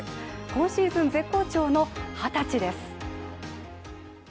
今シーズン絶好調の２０歳です。